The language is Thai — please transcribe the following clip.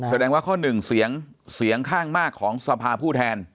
แสดงว่าข้อหนึ่งเสียงเสียงข้างมากของสภาผู้แทน